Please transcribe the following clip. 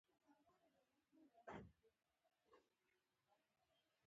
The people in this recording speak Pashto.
د مبارزو او سرښندنو کیسې ناکیسیزې دي.